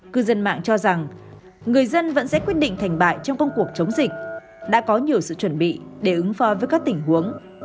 cư dân mạng cho rằng người dân vẫn sẽ quyết định thành bại trong công cuộc chống dịch đã có nhiều sự chuẩn bị để ứng phó với các tình huống